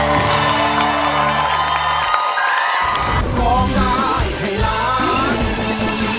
โปรดจงเห็นใจเมตตาช่วยพาคนรักกลับมา